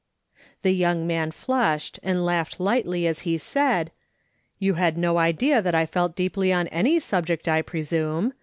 The young man Hushed, and laughed lightly as he said :" You had no idea that I felt deeply on any sub ject, I presume.